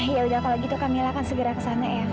ya udah kalau gitu kami akan segera ke sana ya